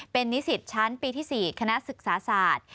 เป็นนิสิตชั้นปีที่๔คณะศึกษาศาสตร์